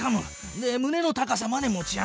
でむねの高さまで持ち上げる。